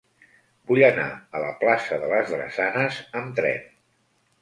Vull anar a la plaça de les Drassanes amb tren.